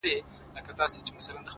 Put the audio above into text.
تکرار عادتونه جوړوي!.